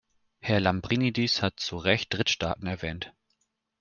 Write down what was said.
Herr Lambrinidis hat zu Recht Drittstaaten erwähnt.